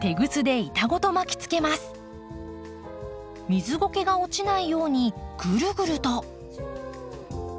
水ごけが落ちないようにぐるぐると。